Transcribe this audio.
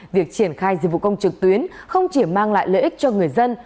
việc triển khai dịch vụ công trực tuyến không chỉ mang lại lợi ích cho người dân